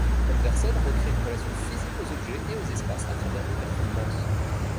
Anderson recrée une relation physique aux objets et aux espaces à travers des performances.